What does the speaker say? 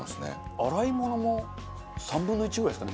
洗い物も３分の１ぐらいですかね